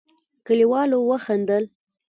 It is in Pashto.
کليوالو وخندل.